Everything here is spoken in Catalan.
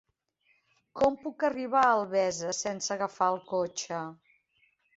Com puc arribar a Albesa sense agafar el cotxe?